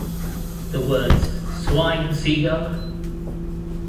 The words Swine seagull!